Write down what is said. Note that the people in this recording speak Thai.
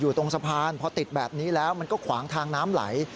ตรงสะพานพอติดแบบนี้แล้วมันก็ขวางทางน้ำไหล